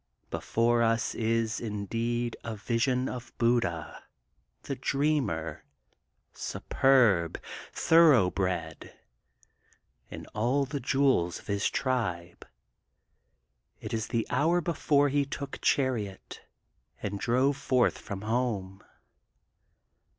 Before us is, indeed, a vision of Buddha the dreamer, superb, thoroughbred, in all the jewels of his tribe. It is the hour before he took chariot and drove forth from home.